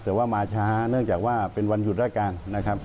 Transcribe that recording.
แต่ว่ามาช้าเนื่องจากว่าเป็นวันหยุดราชการนะครับ